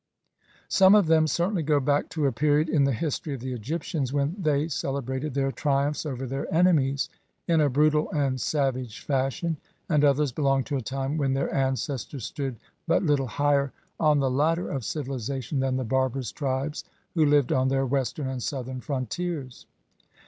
Some of them certainly go back to a period in the history of the Egyptians when they celebrated their triumphs over their enemies in a brutal and savage fashion, and others belong to a time when their ancestors stood but little higher on the ladder of civilization than the barbarous tribes w T ho lived on their western and southern frontiers.